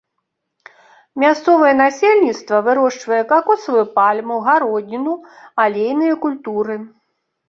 Мясцовае насельніцтва вырошчвае какосавую пальму, гародніну, алейныя культуры.